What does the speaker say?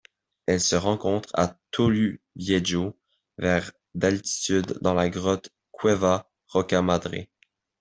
Elle se rencontre à Toluviejo vers d'altitude dans la grotte Cueva Roca Madre.